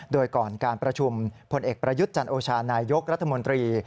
โดยก่อนการประชุมผลเอกประยุทธ์จันโอชานายกรัฐมนตรี